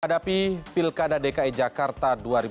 terhadapi pilkada dki jakarta dua ribu tujuh belas